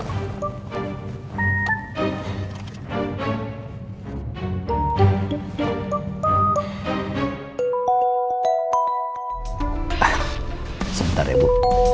ah sebentar ya bu